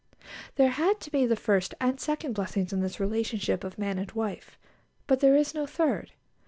There had to be the first and second blessings in this relationship of man and wife, but there is no third.